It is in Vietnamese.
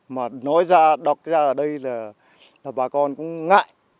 mà nói ra đọc ra ở đây là bà con cũng ngại